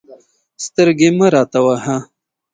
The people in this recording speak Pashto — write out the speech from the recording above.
سترګې مه راته وهه.